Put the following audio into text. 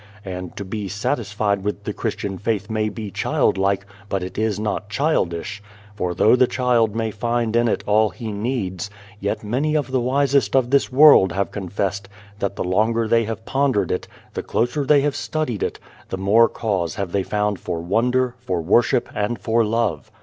And to be satisfied with the Christian faith may be childlike, but is not childish ; for though the child may find in it all he needs, yet many of the wisest of this world have confessed that the longer they have pondered it, the closer they have studied it, the more cause have they found for wonder, for worship, and for love.